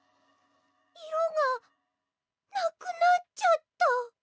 いろがなくなっちゃった。